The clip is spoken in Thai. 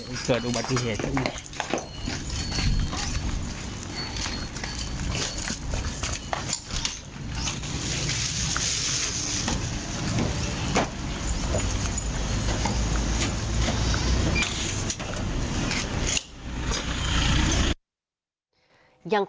ลองไปดูบรรยากาศช่วงนั้นนะคะ